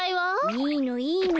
いいのいいの。